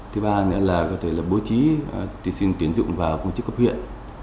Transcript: thứ ba là bố trí tiến dụng vào công chức cấp huyện